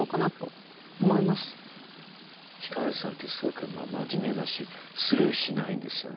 ひかるさんってすごく真面目だしスルーしないんですよね。